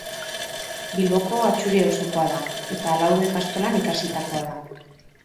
Bilboko Atxuri auzokoa da eta Lauro ikastolan ikasitakoa da.